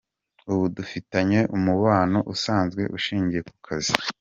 Ubu dufitanye umubano usanzwe ushingiye ku kazi.